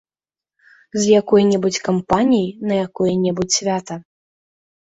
З якой-небудзь кампаніяй, на якое-небудзь свята.